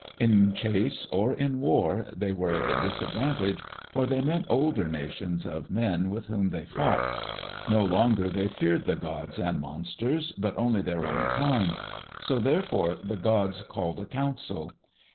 In chase or in war, they were at a disadvantage, for they met older nations of men with whom they fought. No longer they feared the gods and monsters, but only their own kind. So therefore the gods called a council.